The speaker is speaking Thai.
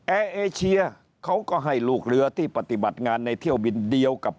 แอร์เอเชียเขาก็ให้ลูกเรือที่ปฏิบัติงานในเที่ยวบินเดียวกับ